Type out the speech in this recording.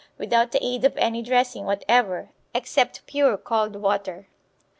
without the aid of any dressing whatever except pure cold water.